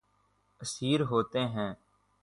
اسیر ہوتے ہیں